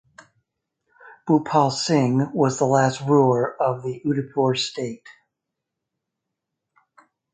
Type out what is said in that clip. Bhupal Singh was the last ruler of the Udaipur State.